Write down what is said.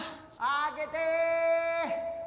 開けて！